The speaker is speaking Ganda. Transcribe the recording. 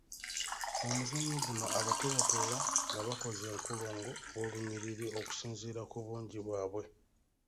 Mu muzannyo guno, abato batuula nga bakoze enkulungo oba olunyiriri okusinziira ku bungi bwabwe.